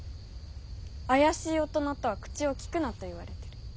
怪しい大人とは口をきくなと言われてる。